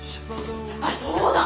あっそうだ！